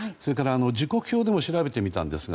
時刻表でも調べてみたんですが